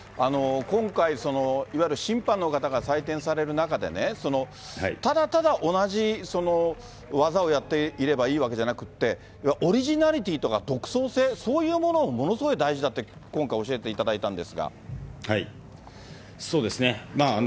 今回その、いわゆる審判の方が採点される中でね、ただただ同じ技をやっていればいいわけじゃなくって、オリジナリティとか独創性、そういうものがものすごい大事だって、そうですね。